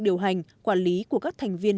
điều hành quản lý của các thành viên